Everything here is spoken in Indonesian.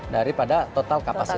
daripada total kapasitas